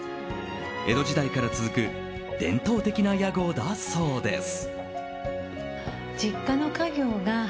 江戸時代から続く伝統的な屋号だそうです。